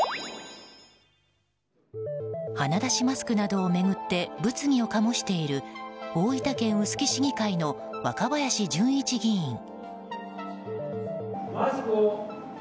鼻出しマスクなどを巡って物議を醸している大分県臼杵市議会の若林純一議員。